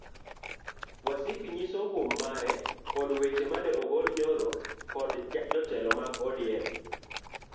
Wasiki onyiso hum mare kod weche mane ogol nyoro kod jotelo mag odm